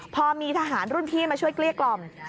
พอมีทหารรุ่นพี่มาช่วยเกลี้ยกล่อม